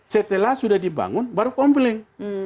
setelah sudah dibangun baru komplit